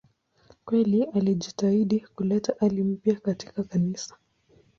Kweli alijitahidi kuleta hali mpya katika Kanisa.